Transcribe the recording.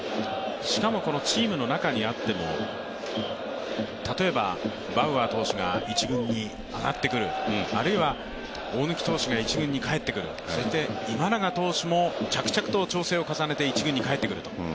しかもチームの中にあって例えばバウアー投手が１軍に上がってくる、あるいは大貫投手が１軍に帰ってくるそして今永投手も着々と調整を重ねて一軍に帰ってくると。